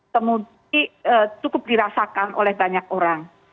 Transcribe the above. kemudian cukup dirasakan oleh banyak orang